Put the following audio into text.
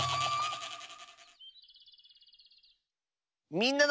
「みんなの」。